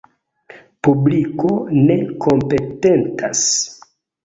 Publiko ne kompetentas.